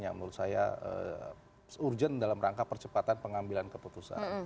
yang menurut saya urgent dalam rangka percepatan pengambilan keputusan